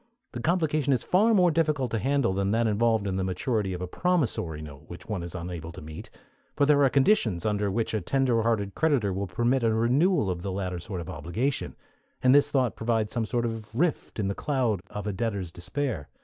The complication is far more difficult to handle than that involved in the maturity of a promissory note which one is unable to meet; for there are conditions under which a tender hearted creditor will permit a renewal of the latter sort of obligation, and this thought provides some sort of rift in the cloud of a debtor's despair.